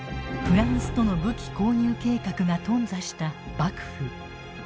フランスとの武器購入計画が頓挫した幕府。